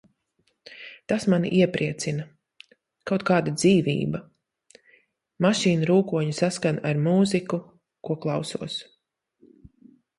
Tas mani iepriecina. Kaut kāda dzīvība. Mašīnu rūkoņa saskan ar mūziku, ko klausos.